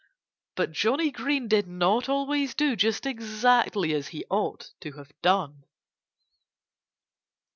But Johnnie Green did not always do just exactly as he ought to have done.